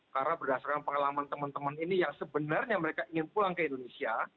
karena berdasarkan pengalaman teman teman ini yang sebenarnya mereka ingin pulang ke indonesia